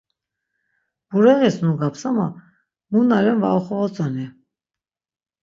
Bureğis nugams ama mu na ren var oxobotzoni.